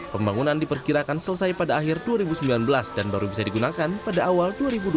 pembangunan diperkirakan selesai pada akhir dua ribu sembilan belas dan baru bisa digunakan pada awal dua ribu dua puluh